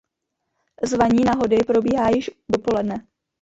Zvaní na hody probíhá již dopoledne.